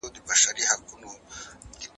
بل غوښتلې ځان وژنه يوه ځانګړې پېښه ده.